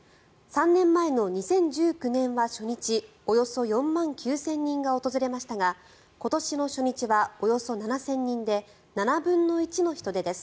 ３年前の２０１９年は初日、およそ４万９０００人が訪れましたが今年の初日はおよそ７０００人で７分の１の人出です。